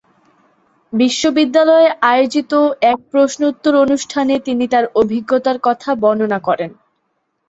বিশ্ববিদ্যালয়ে আয়োজিত এক প্রশ্নোত্তর অনুষ্ঠানে তিনি তার অভিজ্ঞতার কথা বর্ণনা করেন।